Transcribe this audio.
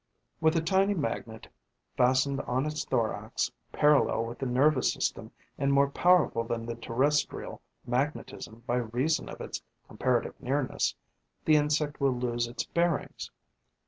With a tiny magnet fastened on its thorax, parallel with the nervous system and more powerful than the terrestrial magnetism by reason of its comparative nearness, the insect will lose its bearings.